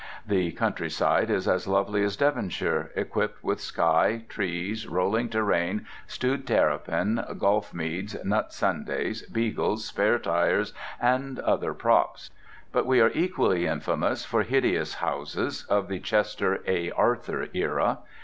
The countryside is as lovely as Devonshire, equipped with sky, trees, rolling terrain, stewed terrapin, golf meads, nut sundaes, beagles, spare tires, and other props. But we are equally infamous for hideous houses, of the Chester A. Arthur era.